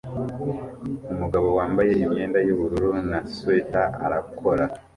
Umugabo wambaye imyenda yubururu na swater arakora